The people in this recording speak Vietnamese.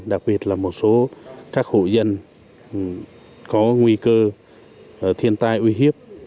đặc biệt là một số các hộ dân có nguy cơ thiên tai uy hiếp